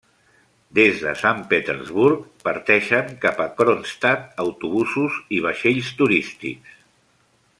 Des de Sant Petersburg parteixen cap a Kronstadt autobusos i vaixells turístics.